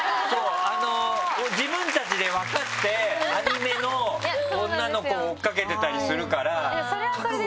自分たちで分かってアニメの女の子を追っかけてたりするから。